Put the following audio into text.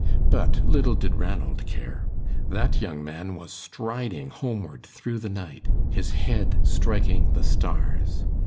But little did Ranald care. That young man was striding homeward through the night, his head striking the stars.